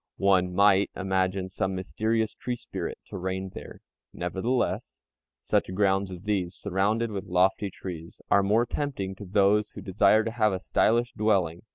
One might imagine some mysterious "tree spirit" to reign there. Nevertheless, such grounds as these, surrounded with lofty trees, are more tempting to those who desire to have a stylish dwelling.